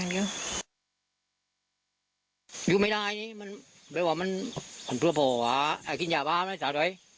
โดยไม่ได้นิไม่่ว่ามันทั้งพ่อผ่านกินยาวะฮราคีย์